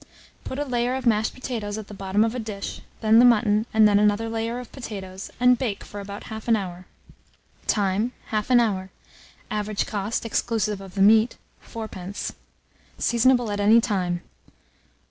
Put a layer of mashed potatoes at the bottom of a dish, then the mutton, and then another layer of potatoes, and bake for about 1/2 hour. Time. 1/2 hour. Average cost, exclusive of the meat, 4d. Seasonable at any time.